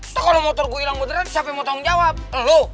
so kalau motor gue hilang modern siapa yang mau tanggung jawab lo